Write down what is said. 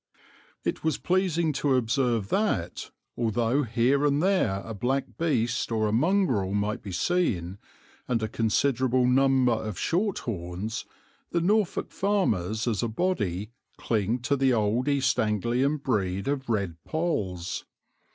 It was pleasing to observe that, although here and there a black beast or a mongrel might be seen, and a considerable number of Shorthorns, the Norfolk farmers as a body cling to the old East Anglian breed of Red Polls.